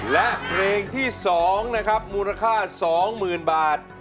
และเพลงที่๒นะครับมูลค่า๒๐๐๐บาท